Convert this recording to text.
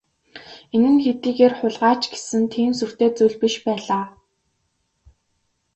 Энэ нь хэдийгээр хулгай ч гэсэн тийм сүртэй зүйл биш байлаа.